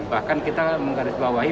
bahkan kita menggarisbawahi